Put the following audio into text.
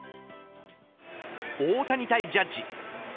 大谷対ジャッジ